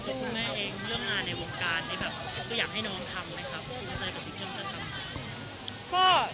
ส่วนที่คุณแม่เองเรื่องงานในวงการอยากให้น้องทำไหมครับ